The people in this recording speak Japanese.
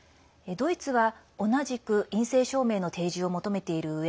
ドイツは同じく陰性証明の提示を求めているうえ